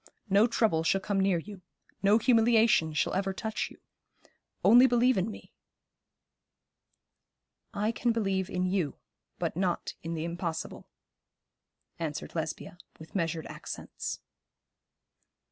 No trouble shall come near you. No humiliation shall ever touch you. Only believe in me.' 'I can believe in you, but not in the impossible,' answered Lesbia, with measured accents.